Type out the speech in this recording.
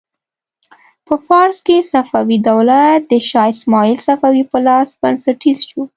په فارس کې صفوي دولت د شا اسماعیل صفوي په لاس بنسټیز شو.